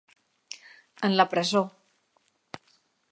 En la presó.